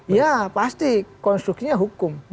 ya pasti konstruksinya hukum